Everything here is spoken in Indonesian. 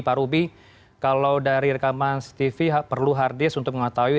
pak ruby kalau dari rekaman cctv perlu hard disk untuk mengetahui